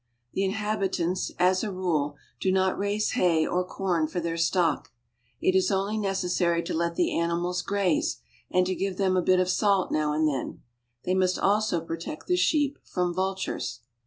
The inhabitants, as a rule, do not raise hay or corn for their stock. It is only necessary to let the ani mals graze, and to give them a bit of salt now and then. They must also protect the sheep from vultures.